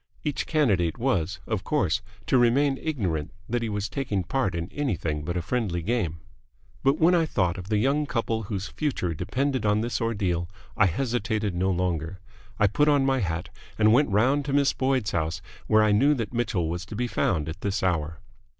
Each candidate was, of course, to remain ignorant that he was taking part in anything but a friendly game. But when I thought of the young couple whose future depended on this ordeal, I hesitated no longer. I put on my hat and went round to Miss Boyd's house, where I knew that Mitchell was to be found at this hour.